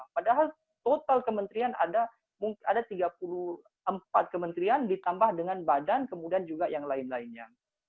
padahal total kementerian ada tiga puluh empat kementerian ditambah dengan badan kemudian juga yang lain lainnya